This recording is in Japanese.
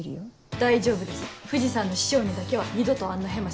大丈夫です藤さんの師匠にだけは二度とあんなヘマしません。